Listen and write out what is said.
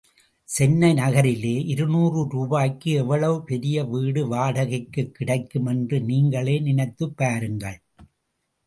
சென்னை நகரிலே, இருநூறு ரூபாய்க்கு எவ்வளவு பெரிய வீடு வாடகைக்குக் கிடைக்கும் என்று நீங்களே நினைத்துப் பாருங்கள்.